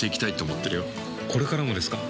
これからもですか？